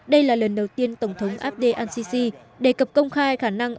đây là lần đầu tiên tổng thống abdel fattah al sisi đề cập công khai khả năng